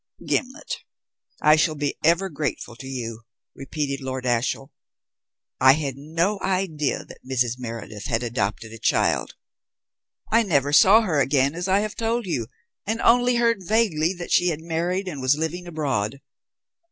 "Gimblet, I shall be ever grateful to you," repeated Lord Ashiel. "I had no idea that Mrs. Meredith had adopted a child. I never saw her again, as I have told you, and only heard vaguely that she had married and was living abroad.